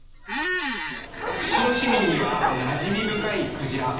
釧路市民にはなじみ深いクジラ。